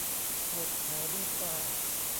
บทแผ่เมตตา